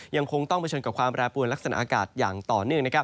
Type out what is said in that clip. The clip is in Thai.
ยังคงต้องเผชิญกับความแปรปวนลักษณะอากาศอย่างต่อเนื่อง